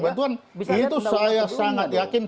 bantuan itu saya sangat yakin